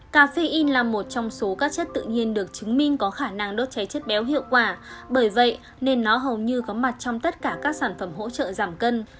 cà phê in là một trong số các chất tự nhiên được chứng minh có khả năng đốt cháy chất béo hiệu quả bởi vậy nên nó hầu như có mặt trong tất cả các sản phẩm hỗ trợ giảm cân